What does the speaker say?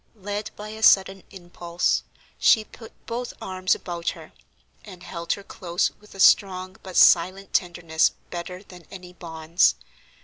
Led by a sudden impulse, she put both arms about her, and held her close with a strong but silent tenderness better than any bonds.